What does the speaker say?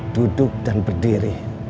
duduk dan berdiri